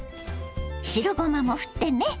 白ごまもふってね。